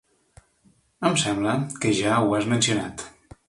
Em sembla que ja ho has mencionat.